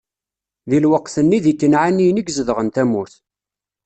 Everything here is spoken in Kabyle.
Di lweqt-nni, d Ikanɛaniyen i yezedɣen tamurt.